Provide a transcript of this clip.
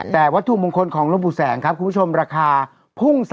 แต่วัตถุมงคลของหลวงปู่แสงครับคุณผู้ชมราคาพุ่ง๓๐๐